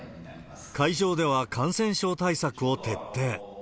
会場では感染症対策を徹底。